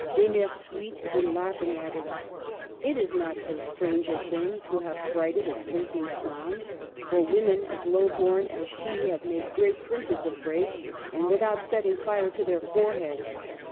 Emarsuitte, in laughing, added, " It is not so strange a thing to have frighted a sleeping clown ; for women as low born as she have made great princes afraid, and without setting fire to their foreheads."